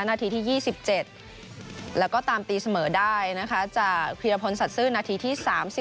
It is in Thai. นาทีที่๒๗แล้วก็ตามตีเสมอได้นะคะจากเพียรพลสัตว์ซื่อนาทีที่๓๐